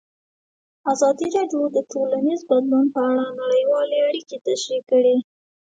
ازادي راډیو د ټولنیز بدلون په اړه نړیوالې اړیکې تشریح کړي.